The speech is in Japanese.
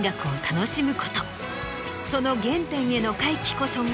その原点への回帰こそが。